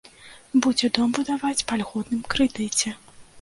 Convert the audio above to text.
Будзе дом будаваць па льготным крэдыце.